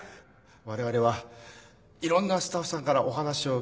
われわれはいろんなスタッフさんからお話を聞きました。